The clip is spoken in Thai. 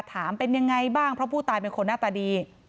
ถามเป็นยังไงบ้างเพราะผู้ตายเป็นคนหน้าตาดี